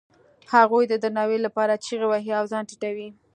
هغوی د درناوي لپاره چیغې وهي او ځان ټیټوي.